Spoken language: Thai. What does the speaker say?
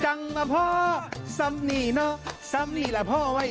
จังมาพอสำนีละพ่อไว้